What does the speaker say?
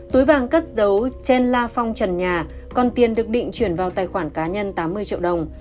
túi vàng cất dấu trên la phong trần nhà còn tiền được định chuyển vào tài khoản cá nhân tám mươi triệu đồng